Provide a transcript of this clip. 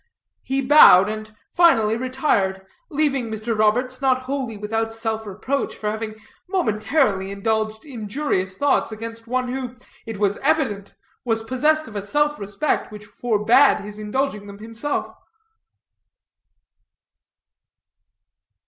He bowed, and finally retired, leaving Mr. Roberts not wholly without self reproach, for having momentarily indulged injurious thoughts against one who, it was evident, was possessed of a self respect which forbade his indulging them himself.